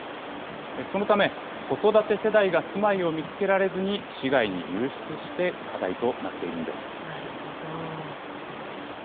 そのため、子育て世代が住まいを見つけられずに、市外に流出して、課題とななるほど。